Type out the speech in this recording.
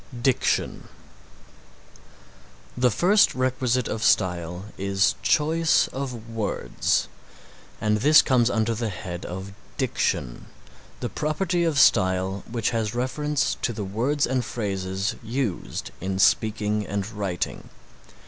DICTION The first requisite of style is choice of words, and this comes under the head of Diction, the property of style which has reference to the words and phrases used in speaking and writing.